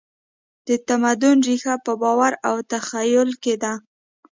د تمدن ریښه په باور او تخیل کې ده.